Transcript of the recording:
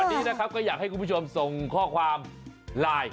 วันนี้นะครับก็อยากให้คุณผู้ชมส่งข้อความไลน์